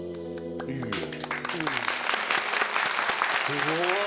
すごーい。